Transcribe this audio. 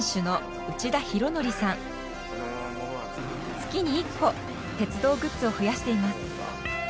月に１個鉄道グッズを増やしています。